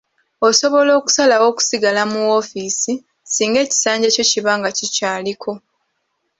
Osobola okusalawo okusigala mu woofiisi singa ekisanja kyo kiba nga kikyaliko.